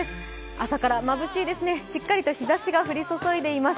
朝からまぶしいですね、しっかりと日ざしが降り注いでいます。